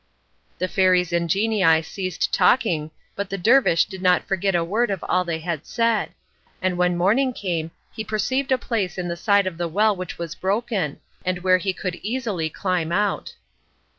The fairies and genii ceased talking, but the dervish did not forget a word of all they had said; and when morning came he perceived a place in the side of the well which was broken, and where he could easily climb out.